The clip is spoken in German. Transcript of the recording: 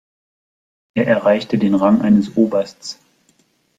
Er erreichte den Rang eines Obersts.